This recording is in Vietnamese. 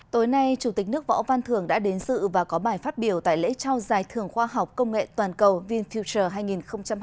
tối nay chủ tịch nước võ văn thường đã đến sự và có bài phát biểu tại lễ trao giải thưởng khoa học công nghệ toàn cầu vinfuter hai nghìn hai mươi